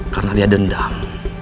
karena dia dendam